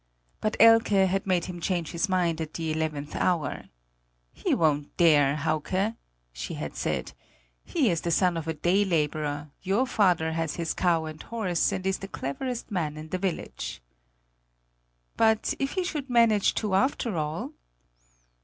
But Elke had made him change his mind at the eleventh hour. "He won't dare, Hauke," she had said; "he is the son of a day laborer; your father has his cow and horse and is the cleverest man in the village." "But if he should manage to, after all?"